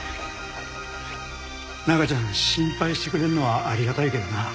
中ちゃん心配してくれるのはありがたいけどな。